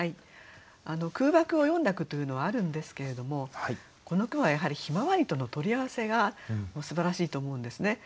空爆を詠んだ句というのはあるんですけれどもこの句はやはり向日葵との取り合わせがすばらしいと思うんですね。